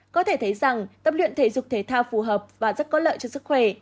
có thể thấy rằng tập luyện thể dục thể thao phù hợp và rất có lợi cho sức khỏe